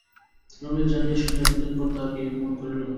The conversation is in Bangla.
রমেশ জানিয়া শুনিয়া এতদিন পরে তাহাকে এই অপমান করিল!